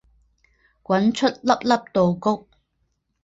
滚出粒粒稻谷